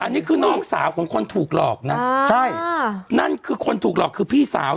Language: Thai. อันนี้คือน้องสาวของคนถูกหลอกนะใช่นั่นคือคนถูกหลอกคือพี่สาว